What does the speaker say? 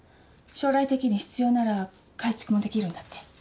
将来的に必要なら改築もできるんだって。